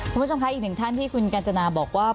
คุณผู้ชมคะอีกหนึ่งท่านที่คุณกัญจนาบอกว่า